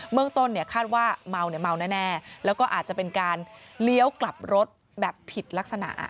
เมืองต้นคาดว่าเมาแน่แล้วก็อาจจะเป็นการเลี้ยวกลับรถแบบผิดลักษณะ